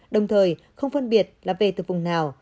đồng thời không phân biệt là về từ vùng nào